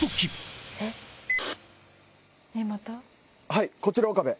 はいこちら岡部。